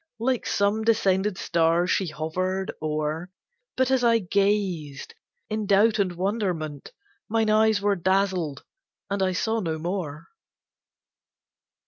Like some descended star she hovered o'er, But as I gazed, in doubt and wonderment, Mine eyes were dazzled, and I saw no more.